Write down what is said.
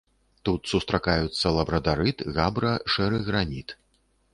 Тут сустракаюцца лабрадарыт, габра, шэры граніт.